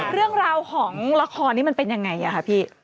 เรื่องราวของละครนี้มันเป็นยังไงคะพี่